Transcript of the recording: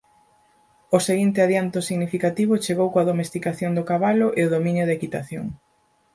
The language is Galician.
O seguinte adianto significativo chegou coa domesticación do cabalo e o dominio da equitación.